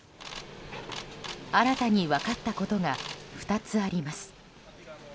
新たに分かったことが２つあります。